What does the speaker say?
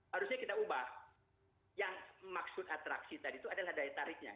harusnya kita ubah yang maksud atraksi tadi itu adalah daya tariknya